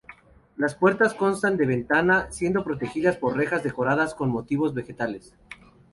Las puertas constan de ventana, siendo protegidas por rejas decoradas con motivos vegetales.